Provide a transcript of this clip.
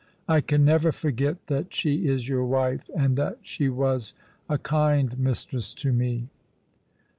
I can never forget that she is your wife, and that she was a kind mistress to me."